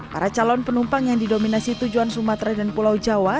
para calon penumpang yang didominasi tujuan sumatera dan pulau jawa